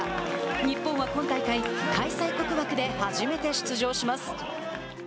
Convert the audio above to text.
日本は今大会、開催国枠で初めて出場します。